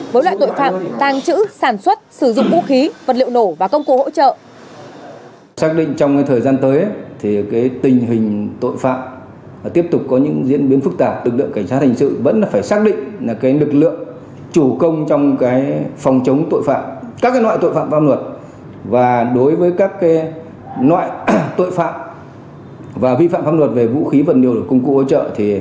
với loại tội phạm tàng trữ sản xuất sử dụng vũ khí vật liệu nổ và công cụ hỗ trợ